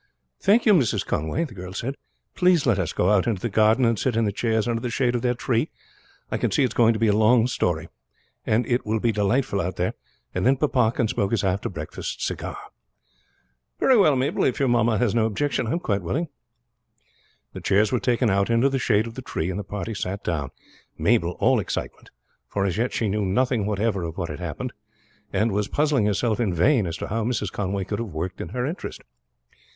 "Thank you, Mrs. Conway," the girl said. "Please let us go out into the garden and sit in the chairs under the shade of that tree. I can see it is going to be a long story, and it will be delightful out there; and then papa can smoke his after breakfast cigar." "Very well, Mabel; if your mamma has no objection, I am quite willing." The chairs were taken out into the shade of the tree and the party sat down, Mabel all excitement, for as yet she knew nothing whatever of what had happened, and was puzzling herself in vain as to how Mrs. Conway could have been working in her interest.